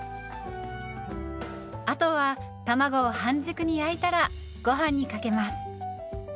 あとは卵を半熟に焼いたらごはんにかけます。